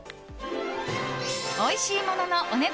おいしいもののお値段